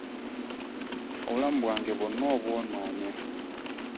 Obulamu bwange bwonna obwonoonye.